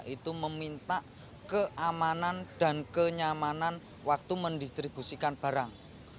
itu meminta keamanan dan kenyamanan waktu mendistribusikan barang